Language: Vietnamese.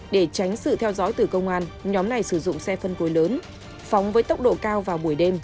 để tránh sự theo dõi từ công an nhóm này sử dụng xe phân khối lớn phóng với tốc độ cao vào buổi đêm